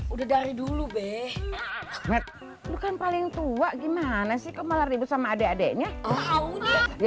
udah dari dulu beh hatt bukan paling tua gimana sih kamu lari bersama adek adeknya